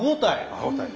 歯応えね。